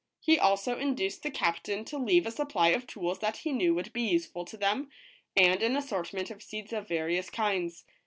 He also induced the captain to leave a supply of tools that he knew would be useful to them, and an assortment of seeds of various kinds.